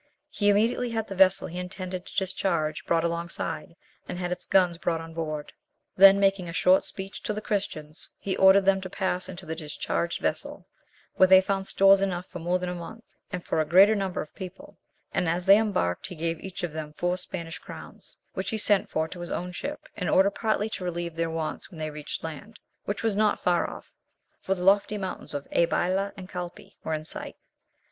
He immediately had the vessel he intended to discharge brought alongside, and had its guns brought on board. Then making a short speech to the Christians, he ordered them to pass into the discharged vessel, where they found stores enough for more than a month and for a greater number of people; and as they embarked he gave each of them four Spanish crowns, which he sent for to his own ship, in order partly to relieve their wants when they reached land, which was not far off; for the lofty mountains of Abyla and Calpe were in sight.